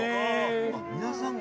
皆さんが？